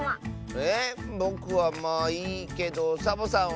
えぼくはまあいいけどサボさんは？